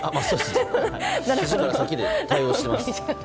ひじから先で対応しています。